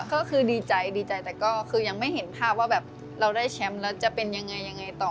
ก็คือดีใจดีใจแต่ก็คือยังไม่เห็นภาพว่าแบบเราได้แชมป์แล้วจะเป็นยังไงยังไงต่อ